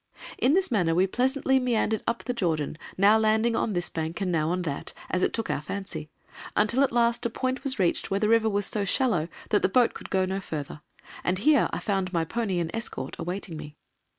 In this manner we pleasantly meandered up the Jordan, now landing on this bank, and now on that, as it took our fancy, until at last a point was reached where the river was so shallow that the boat could go no further, and here I found my pony and escort awaiting me.